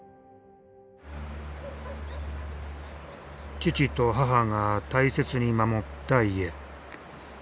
父と母が大切に守った家。